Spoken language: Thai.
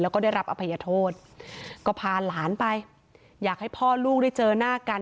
แล้วก็ได้รับอภัยโทษก็พาหลานไปอยากให้พ่อลูกได้เจอหน้ากัน